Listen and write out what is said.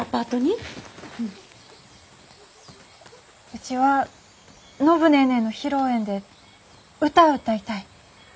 うちは暢ネーネーの披露宴で唄を歌いたい。